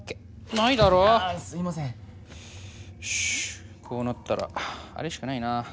よしこうなったらあれしかないな。